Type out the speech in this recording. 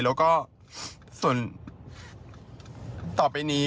แล้วก็ส่วนต่อไปนี้